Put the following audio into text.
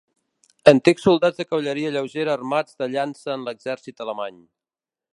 Antics soldats de cavalleria lleugera armats de llança en l'exèrcit alemany.